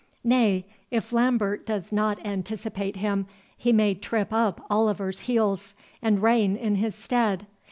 nay, if Lambert does not anticipate him, he may trip up Oliver's heels, and reign in his stead.